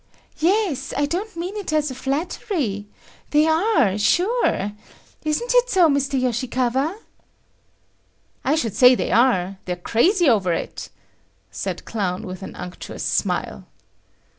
"Yes; I don't mean it as flattery. They are, sure. Isn't it so, Mr. Yoshikawa?" "I should say they are. They're crazy over it," said Clown with an unctuous smile.